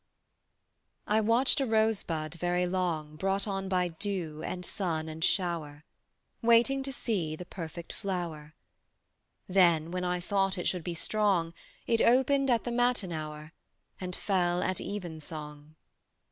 I watched a rosebud very long Brought on by dew and sun and shower, Waiting to see the perfect flower: Then, when I thought it should be strong, It opened at the matin hour And fell at even song.